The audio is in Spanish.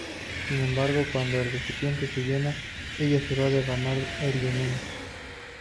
Sin embargo, cuando el recipiente se llena, ella se va a derramar el veneno.